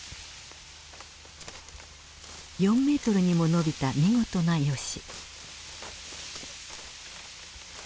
４ｍにも伸びた見事なヨシ。